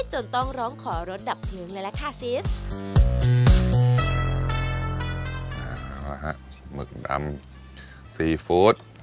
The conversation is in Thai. จนต้องร้องขอรสดับพลึงเลยละค่ะซิส